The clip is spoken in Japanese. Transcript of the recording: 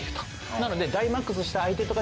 なので。